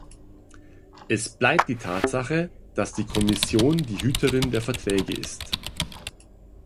Es bleibt die Tatsache, dass die Kommission die Hüterin der Verträge ist.